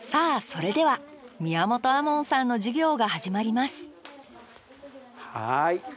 それでは宮本亞門さんの授業が始まりますはい。